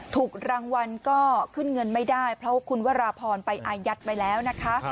ถูกรางวัลก็ขึ้นเงินไม่ได้เพราะคุณวราพรไปอายัดไว้แล้วนะคะ